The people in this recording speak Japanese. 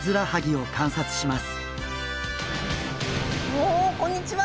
おおこんにちは。